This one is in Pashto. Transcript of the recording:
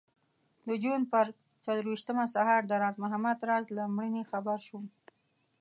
د جون پر څلرویشتمه سهار د راز محمد راز له مړینې خبر شوم.